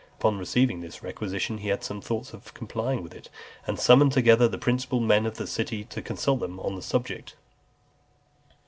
Upon receiving this requisition, he had some thoughts of complying with it, and summoned together the principal men of the city, to consult with them on the subject.